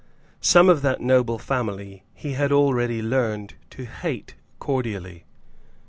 Some of that noble family he had already learned to hate cordially.